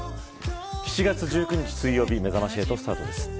７月１９日水曜日めざまし８スタートです。